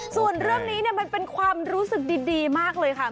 ส่วนเรื่องนี้มันเป็นความรู้สึกดีมากเลยค่ะ